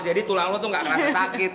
bang lo tuh ga kena sakit